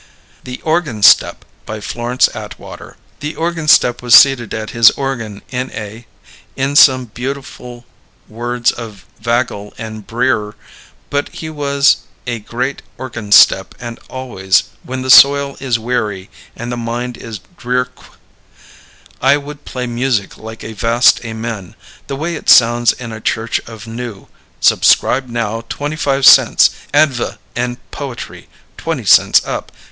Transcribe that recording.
THE Organstep BY Florence Atwater The Organstep was seated at his organ in a In some beautifil words of vagle and brir But he was a gReat organstep and always When the soil is weary And the mind is drearq I would play music like a vast amen The way it sounds in a church of new Subscribe NOW 25 cents Adv & Poetry 20 cents up.